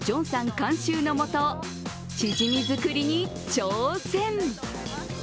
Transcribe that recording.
監修のもと、チヂミ作りに挑戦。